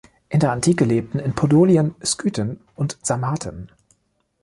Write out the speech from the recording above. In der Antike lebten in Podolien Skythen und Sarmaten.